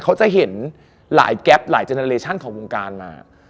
เขาจะเห็นหลายแก๊ปหลายเจเนอเลชั่นของวงการมา